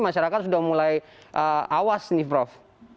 masyarakat sudah mulai awas nih prof